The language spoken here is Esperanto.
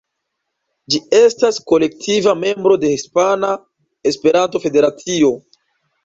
Ĝi estas kolektiva membro de Hispana Esperanto-Federacio.